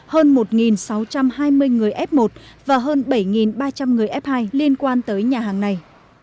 hơn một sáu trăm hai mươi người f một và hơn bảy ba trăm linh người f hai liên quan tới nhà hàng này